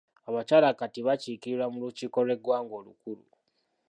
Abakyala kati bakiikirirwa mu lukiiko lw'eggwanga olukulu.